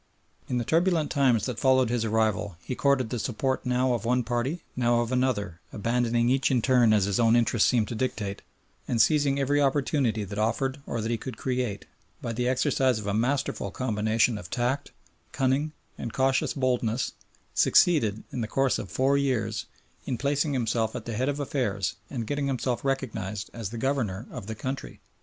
In the turbulent times that followed his arrival he courted the support now of one party now of another abandoning each in turn as his own interests seemed to dictate, and seizing every opportunity that offered or that he could create, by the exercise of a masterful combination of tact, cunning, and cautious boldness, succeeded, in the course of four years, in placing himself at the head of affairs and getting himself recognised as the Governor of the country.